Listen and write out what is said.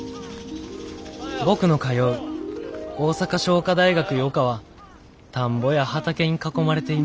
僕の通う大阪商科大学予科は田んぼや畑に囲まれています。